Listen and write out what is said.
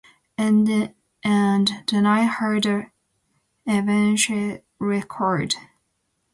And then I heard that Evanescence record ...